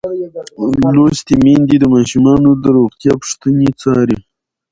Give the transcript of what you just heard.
لوستې میندې د ماشومانو د روغتیا پوښتنې څاري.